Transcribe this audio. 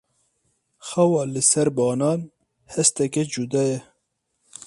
Xewa li ser banan hesteke cuda ye.